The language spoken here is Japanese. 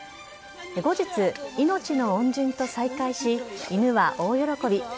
後日、命の恩人と再会し犬は大喜び。